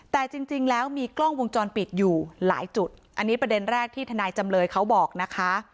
แต่จริงแล้วมีกล้องวงจรปิดอยู่หลายจุดอันนี้ประเด็นแรกที่ทนายจำเลยเขาบอกนะคะ